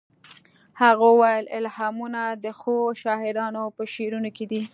هغه وویل الهامونه د ښو شاعرانو په شعرونو کې دي